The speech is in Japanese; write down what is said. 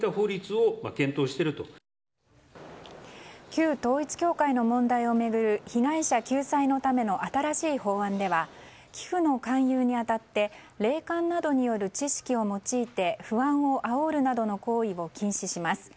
旧統一教会の問題を巡る被害者救済のための新しい法案では寄付の勧誘に当たって霊感などによる知識を用いて不安をあおるなどの行為を禁止します。